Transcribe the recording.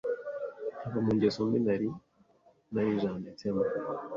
nkava mu ngeso mbi nari narijanditsemo,